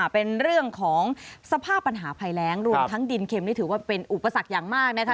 เป็นเรื่องของสภาพปัญหาภัยแรงรวมทั้งดินเข็มนี่ถือว่าเป็นอุปสรรคอย่างมากนะคะ